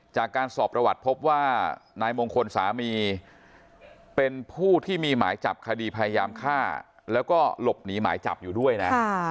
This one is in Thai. จากการสอบประวัติพบว่านายมงคลสามีเป็นผู้ที่มีหมายจับคดีพยายามฆ่าแล้วก็หลบหนีหมายจับอยู่ด้วยนะ